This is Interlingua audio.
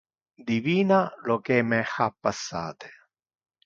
Divina lo que me ha passate.